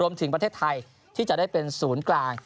ถึงประเทศไทยที่จะได้เป็นศูนย์กลาง